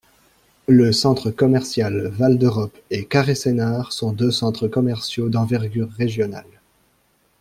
Le centre commercial Val d'Europe et Carré Sénart sont deux centres commerciaux d'envergure régionale.